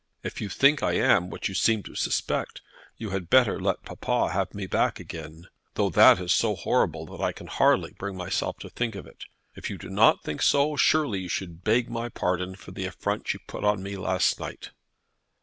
If you think I am what you seem to suspect, you had better let papa have me back again, though that is so horrible that I can hardly bring myself to think of it. If you do not think so, surely you should beg my pardon for the affront you put on me last night."